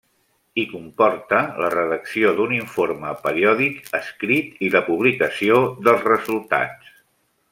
I comporta la redacció d'un informe periòdic escrit i la publicació dels resultats.